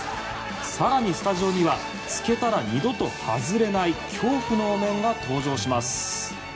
更にスタジオにはつけたら二度と外れない恐怖のお面が登場します。